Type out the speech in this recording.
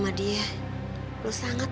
mpok harus mengerti